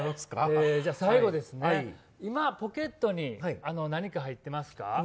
最後、今ポケットに何か入っていますか？